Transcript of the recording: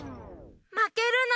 まけるな。